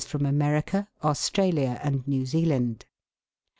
in America, Australia, and New Zealand.